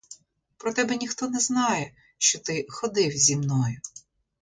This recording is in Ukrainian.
Про тебе ніхто не знає, що ти ходив зі мною.